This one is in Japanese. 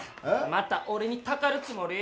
また俺にたかるつもり？